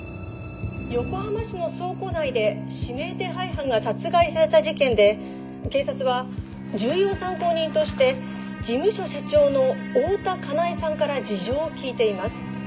「横浜市の倉庫内で指名手配犯が殺害された事件で警察は重要参考人として事務所社長の大多香苗さんから事情を聞いています」